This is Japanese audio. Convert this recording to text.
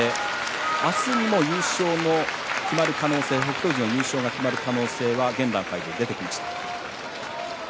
明日にも現段階で北勝富士の優勝が決まる可能性が出てきました。